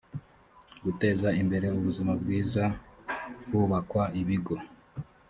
guteza imbere ubuzima bwiza hubakwa ibigo